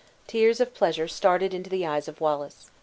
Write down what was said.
Tears of pleasure started into the eyes of Wallace.